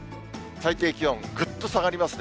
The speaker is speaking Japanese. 最低気温はぐっと下がりますね。